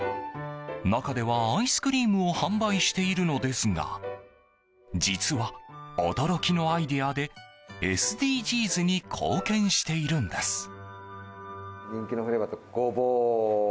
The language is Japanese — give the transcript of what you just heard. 中ではアイスクリームを販売しているのですが実は驚きのアイデアでＳＤＧｓに貢献しているんです。